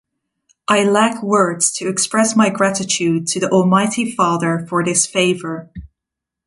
I lack words to express my gratitude to the Almighty Father for this favour.